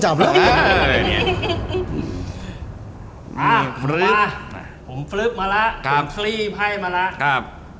มาผมคลิปให้มาแล้ว